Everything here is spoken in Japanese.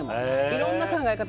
いろんな考え方